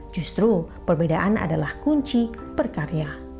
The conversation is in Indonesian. justru perbedaan adalah kunci berkarya